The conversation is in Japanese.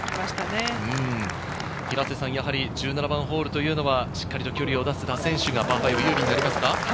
やはり１７番ホールというのは、しっかりと距離を出せた選手がパー５、有利になりますか？